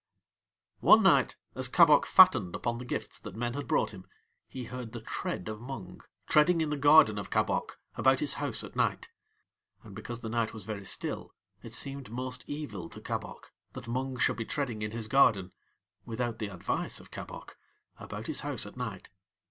One night as Kabok fattened upon the gifts that men had brought him he heard the tread of Mung treading in the garden of Kabok about his house at night. And because the night was very still it seemed most evil to Kabok that Mung should be treading in his garden, without the advice of Kabok, about his house at night.